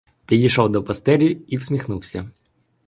Підійшов до постелі і всміхнувся.